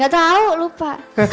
gak tau lupa